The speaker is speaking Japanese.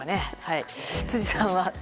辻さんは？